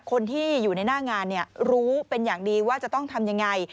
คนที่อยู่ในหน้างานรู้เป็นอย่างดีว่าจะต้องทำยังไง